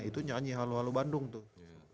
itu nyanyi hal hal bandung tuh